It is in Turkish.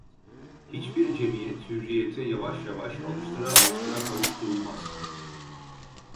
Hiçbir cemiyet, hürriyete yavaş yavaş, alıştıra alıştıra kavuşturulmaz.